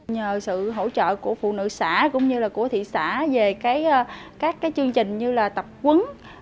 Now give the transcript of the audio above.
nhờ sự hỗ trợ của phụ nữ xã cũng như là của thị xã về các chương trình như là tập quấn